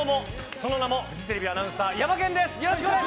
その名もフジテレビアナウンサーヤマケンです！